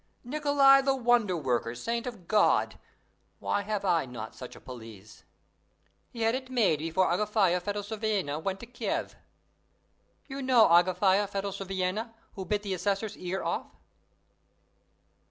Nikolai the Wonder worker, saint of God! why have I not such a pelisse? He had it made before Agafya Fedosyevna went to Kief. You know Agafya Fedosyevna who bit the assessor's ear off?